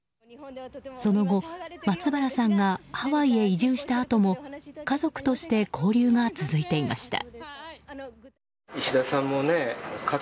その後、松原さんがハワイへ移住したあとも家族として交流が続いていました。